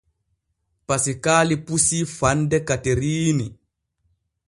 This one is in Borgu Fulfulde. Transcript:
Pasikaali pusii fande Kateriini.